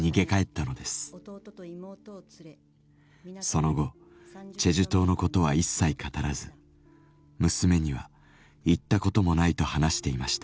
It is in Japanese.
その後チェジュ島のことは一切語らず娘には「行ったこともない」と話していました。